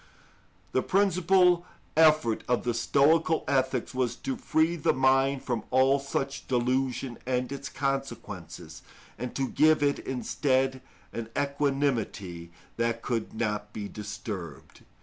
The principal effort of the Stoical ethics was to free the mind from all such delusion and its consequences, and to give it instead an equanimity that could not be disturbed.